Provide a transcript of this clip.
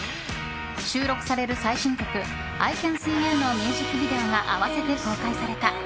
収録される最新曲「アイ・キャン・シー・ユー」のミュージックビデオが併せて公開された。